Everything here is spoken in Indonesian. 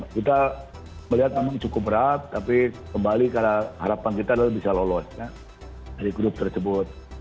kita melihat memang cukup berat tapi kembali karena harapan kita adalah bisa lolos dari grup tersebut